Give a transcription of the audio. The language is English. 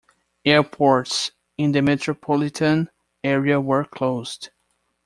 Airports in the metropolitan area were closed.